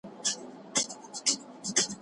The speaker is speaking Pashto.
په ښوونځیو کي د لوبو منظم ډګرو نوشتون نه درلود.